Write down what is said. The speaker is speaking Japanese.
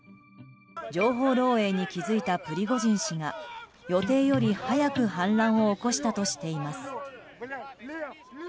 情報漏洩に気づいたプリゴジン氏が予定より早く反乱を起こしたとしています。